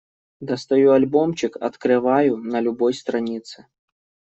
Достаю альбомчик, открываю — на любой странице.